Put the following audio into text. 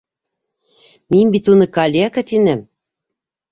Мин бит уны калека тинем!